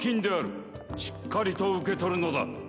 しっかりと受け取るのだ。